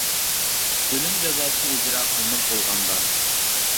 — ئۆلۈم جازاسى ئىجرا قىلىنىپ بولغاندا.